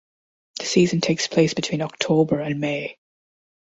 The season takes place between October and May.